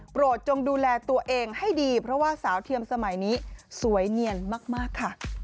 จงดูแลตัวเองให้ดีเพราะว่าสาวเทียมสมัยนี้สวยเนียนมากค่ะ